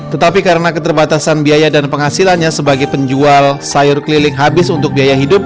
tetapi karena keterbatasan biaya dan penghasilannya sebagai penjual sayur keliling habis untuk biaya hidup